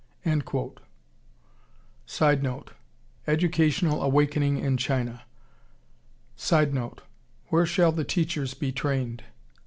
[Sidenote: Educational awakening in China.] [Sidenote: Where shall the teachers be trained?